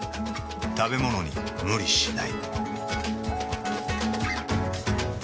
食べものに無理しない。